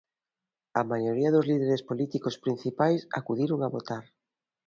A maioría dos líderes políticos principais acudiron a votar.